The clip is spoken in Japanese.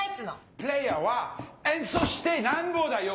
プレーヤーは演奏してなんぼだよ！